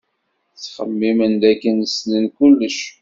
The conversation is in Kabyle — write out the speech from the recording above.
Ttxemmimen dakken ssnen kullec.